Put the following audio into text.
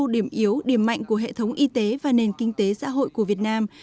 điểm yếu điểm mạnh của hệ thống y tế và nền kinh tế xã hội của việt nam